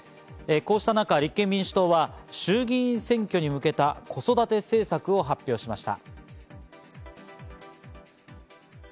こうしたなか立憲民主党は衆議院選挙に向けた子育て政策を発表しました。